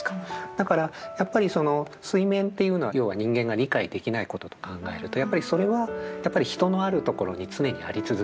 だからやっぱりその水面というのは要は人間が理解できないことと考えるとやっぱりそれは人のあるところに常にあり続ける。